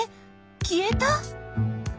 消えた？